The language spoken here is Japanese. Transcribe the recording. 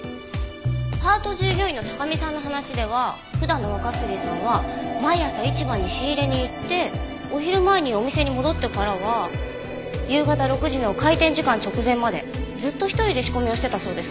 パート従業員の高見さんの話では普段の若杉さんは毎朝市場に仕入れに行ってお昼前にお店に戻ってからは夕方６時の開店時間直前までずっと一人で仕込みをしてたそうです。